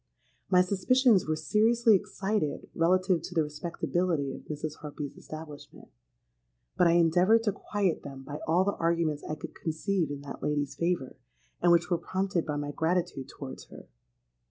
My suspicions were seriously excited relative to the respectability of Mrs. Harpy's establishment; but I endeavoured to quiet them by all the arguments I could conceive in that lady's favour, and which were prompted by my gratitude towards her.